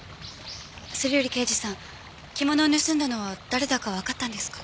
それより刑事さん着物を盗んだのは誰だかわかったんですか？